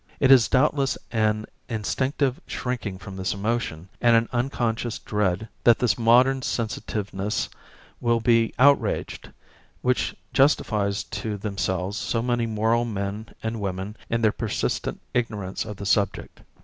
It is doubtless an instinctive shrinking from this emotion and an unconscious dread that this modern sensitiveness will be outraged, which justifies to themselves so many moral men and women in their persistent ignorance of the subject.